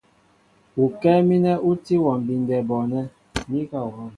Ukɛ́ɛ́ mínɛ ú tí wɔ mbindɛ bɔɔnɛ́.